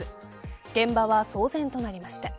現場は騒然となりました。